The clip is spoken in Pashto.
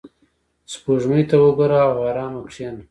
• سپوږمۍ ته وګوره او آرامه کښېنه.